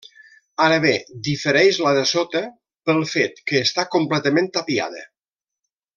Ara bé difereix la de sota pel fet que està completament tapiada.